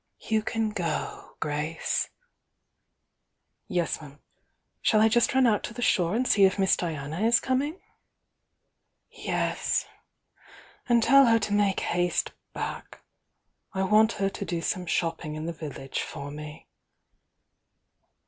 "You can go, Grace." 'Yes, 'm. Shall I just run out to the shore and see if Miss Diana is coming?" "Yes. And tell her to make haste back— I want her to do some flopping in the village for me."